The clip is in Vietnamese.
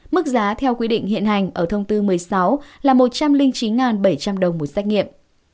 mức giá theo quy định hiện hành ở thông tư một mươi sáu là một trăm linh chín bảy trăm linh đồng một xét nghiệm